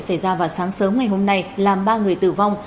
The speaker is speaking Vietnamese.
xảy ra vào sáng sớm ngày hôm nay làm ba người tử vong